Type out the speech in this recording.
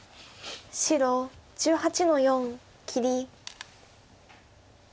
白１８の四切り。